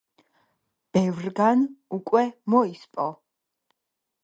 ბევრგან უკვე მოისპო.